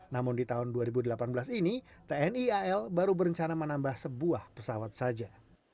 namun di tahun dua ribu delapan belas ini tni al baru berencana menambah sebuah pesawat saja